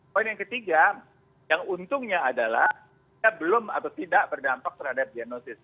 poin yang ketiga yang untungnya adalah dia belum atau tidak berdampak terhadap diagnosis